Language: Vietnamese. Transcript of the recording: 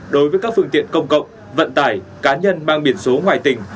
đối với các phương tiện công cộng vận tải cá nhân mang biển số ngoài tỉnh